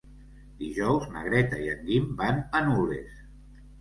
Dijous na Greta i en Guim van a Nules.